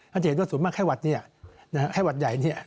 ถ้าจะเห็นด้วยส่วนมากแค่วัดนี้แค่วัดใหญ่นี่